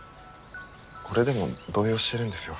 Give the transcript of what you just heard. これでも動揺してるんですよ